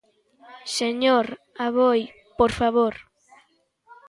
Señor Aboi, ¡por favor!